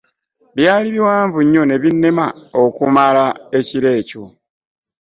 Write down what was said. Byali biwanvu nnyo ne binnema okumala ekiro ekyo.